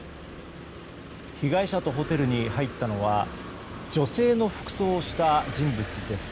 被害者とホテルに入ったのは女性の服装をした人物です。